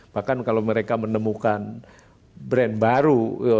bahkan kalau mereka menemukan brand baru